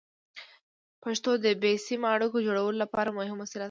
پښتو د بې سیمه اړیکو جوړولو لپاره مهمه وسیله ده.